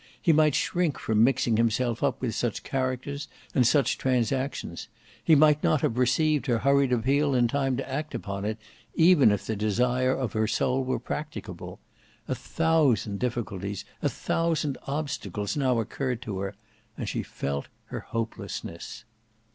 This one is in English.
He might shrink from mixing himself up with such characters and such transactions; he might not have received her hurried appeal in time to act upon it, even if the desire of her soul were practicable. A thousand difficulties, a thousand obstacles now occurred to her; and she felt her hopelessness.